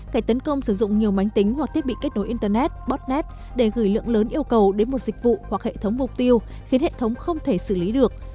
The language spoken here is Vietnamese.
kẻ tấn công sử dụng nhiều máy tính hoặc thiết bị kết nối internet để gửi lượng lớn yêu cầu đến một dịch vụ hoặc hệ thống mục tiêu khiến hệ thống không thể xử lý được